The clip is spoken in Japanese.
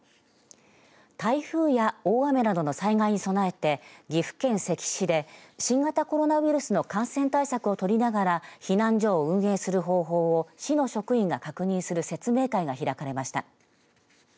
台風や大雨などの災害に備えて岐阜県関市で新型コロナウイルスの感染対策を取りながら避難所を運営する方法を市の職員が確認する説明会が開かれました。